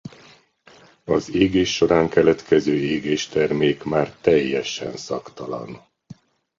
Az égés során keletkező égéstermék már teljesen szagtalan.